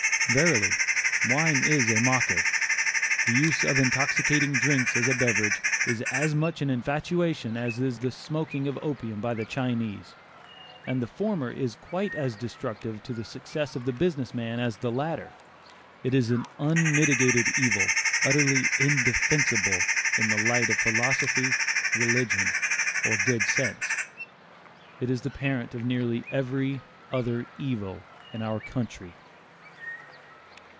Verily "wine is a mocker." The use of intoxicating drinks as a beverage, is as much an infatuation, as is the smoking of opium by the Chinese, and the former is quite as destructive to the success of the business man as the latter. It is an unmitigated evil, utterly indefensible in the light of philosophy, religion, or good sense. It is the parent of nearly every other evil in our country.